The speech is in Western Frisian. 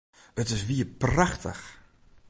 It is wier prachtich!